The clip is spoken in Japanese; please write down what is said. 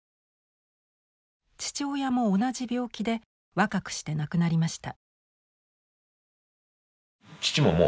父親も同じ病気で若くして亡くなりました。